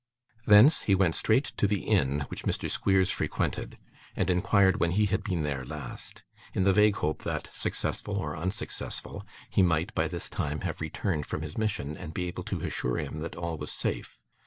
Thence, he went straight to the inn which Mr. Squeers frequented, and inquired when he had been there last; in the vague hope that, successful or unsuccessful, he might, by this time, have returned from his mission and be able to assure him that all was safe.